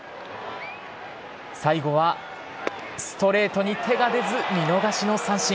最後はストレートに手が出ず見逃しの三振。